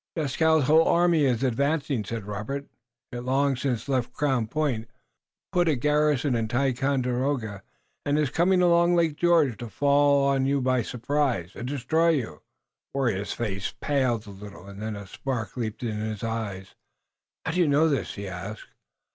"Dieskau's whole army is advancing," said Robert. "It long since left Crown Point, put a garrison in Ticonderoga, and is coming along Lake George to fall on you by surprise, and destroy you." Waraiyageh's face paled a little, and then a spark leaped up in his eye. "How do you know this?" he asked.